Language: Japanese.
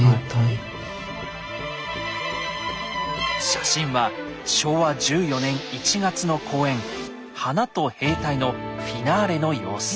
写真は昭和１４年１月の公演「花と兵隊」のフィナーレの様子。